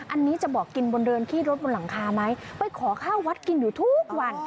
อันนี้จะบอกกินบนเรือนขี้รถบนหลังคาไหมไปขอข้าววัดกินอยู่ทุกวัน